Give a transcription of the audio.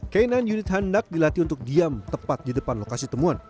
k sembilan unit hendak dilatih untuk diam tepat di depan lokasi temuan